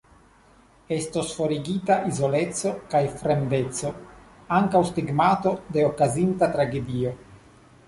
Estos forigita izoleco kaj fremdeco, ankaŭ stigmato de la okazinta tragedio.